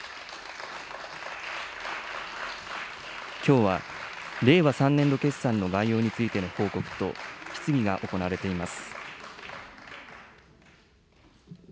きょうは令和３年度決算の概要についての報告と質疑が行われています。